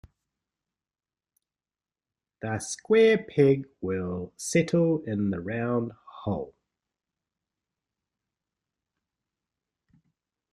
The square peg will settle in the round hole.